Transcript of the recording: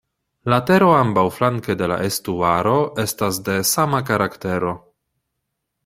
La tero ambaŭflanke de la estuaro estas de sama karaktero.